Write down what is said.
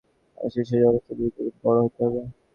মানুষকে শৈশব অবস্থার ভিতর দিয়াই বড় হইতে হইবে।